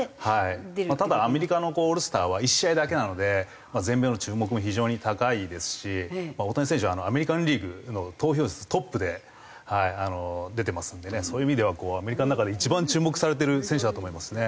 ただアメリカのオールスターは１試合だけなので全米の注目も非常に高いですし大谷選手はアメリカン・リーグの投票数トップで出てますんでねそういう意味ではアメリカの中で一番注目されてる選手だと思いますね。